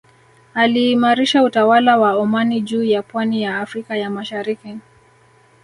Aliimarisha utawala wa Omani juu ya pwani ya Afrika ya Mashariki